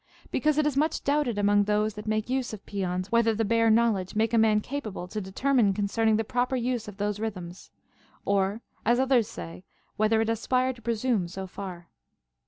Because it is much doubted among those that make use of paeons, whether the bare knowledge make a man capable to deter 128 CONCERNING MUSIC. mine concerning the proper use of those rhythms ; or, as others say, whether it aspire to presume so far.